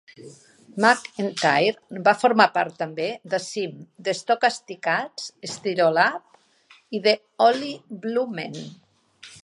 McEntire va formar part també de Seam, The Stokastikats, Stereolab, i The Oily Bloodmen.